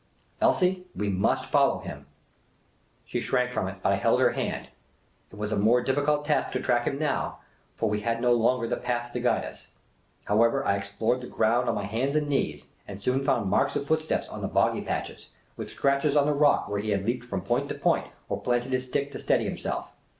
Elsie, we must follow him." She shrank from it ; but I held her hand. It was a more difficult task to track him now ; for we had no longer the path to guide us. However, I explored the ground on my hands and knees, and soon found marks of footsteps on the boggy patches, with scratches on the rock where he had leaped from point to point, or planted his stick to steady himself.